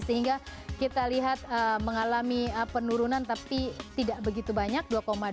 sehingga kita lihat mengalami penurunan tapi tidak begitu banyak